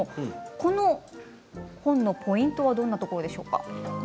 この本のポイントどんなところでしょうか。